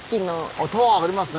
あタワーありますね。